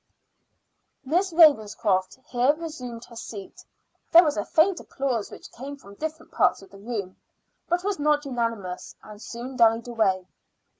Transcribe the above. Miss Ravenscroft here resumed her seat. There was a faint applause which came from different parts of the room, but was not unanimous, and soon died away.